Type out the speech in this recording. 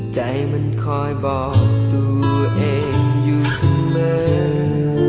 ใจมันคอยบอกตัวเองอยู่ทุกเมื่อ